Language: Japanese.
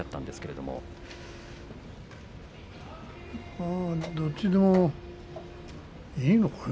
どっちでもいいのかね